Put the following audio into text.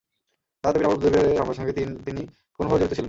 তাঁর দাবি, রামুর বৌদ্ধমন্দিরে হামলার সঙ্গে তিন কোনোভাবে জড়িত ছিলেন না।